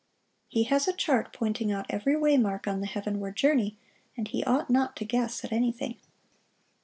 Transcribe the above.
He has a chart pointing out every way mark on the heavenward journey, and he ought not to guess at anything.